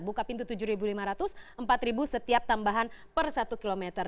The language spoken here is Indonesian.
buka pintu rp tujuh lima ratus rp empat setiap tambahan per satu kilometer